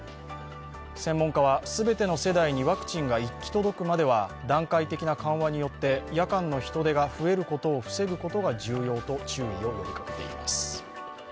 専門家は、全ての世代にワクチンが行き届くまでは段階的な緩和によって夜間の人出が増えることを防ぐことが重要と注意を呼びかけています。